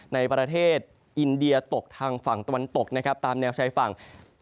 ในประเทศอินเดียตกทางฝั่งตะวันตกนะครับตามแนวชายฝั่ง